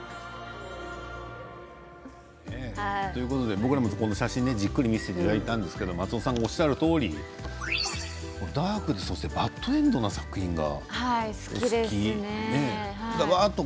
僕らも写真をじっくり見せていただいたんですけど松尾さんがおっしゃるとおりダークで、そしてバッドエンドな作品が好きだと。